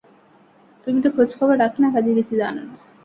তুমি তো খোঁজখবর রাখ না, কাজেই কিছু জান না।